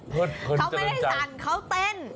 เขาไม่ได้สั่นเขาเต้น